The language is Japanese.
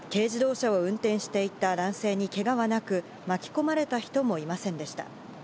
軽自動車を運転していた男性にけがはなく、巻き込まれた人もいませんでした。